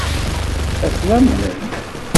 Ad ten-amnen?